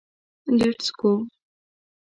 لېټس ګو.